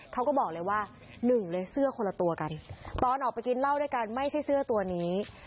เขาก็บอกเลยว่าหนึ่งเลยเสื้อคนละตัวกันตอนออกไปกินเหล้าด้วยกันไม่ใช่เสื้อตัวนี้